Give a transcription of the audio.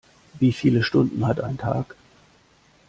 Wie viele Stunden hat ein Tag?